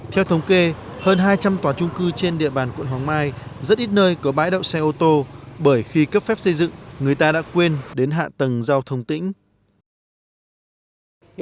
theo thống kê hơn hai trăm linh tòa trung cư trên địa bàn quận hoàng mai rất ít nơi có bãi đậu xe ô tô bởi khi cấp phép xây dựng người ta đã quên đến hạ tầng giao thông tỉnh